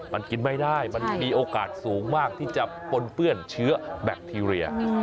มันกินไม่ได้มันมีโอกาสสูงมากที่จะปนเปื้อนเชื้อแบคทีเรีย